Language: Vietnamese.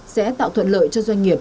sẽ tạo thuận lợi cho doanh nghiệp